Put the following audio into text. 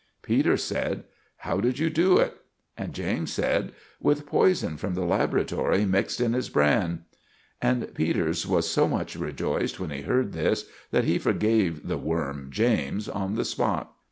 Peters said, "How did you do it?" And James said, "With poison from the laboratory mixed in his bran." And Peters was so much rejoiced when he heard this, that he forgave the worm, James, on the spot.